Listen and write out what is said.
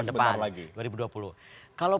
depan lagi dua ribu dua puluh kalau